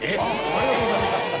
ありがとうございます。